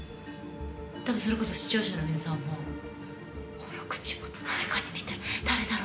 多分それこそ視聴者の皆さんも「この口元誰かに似てる誰だろう？」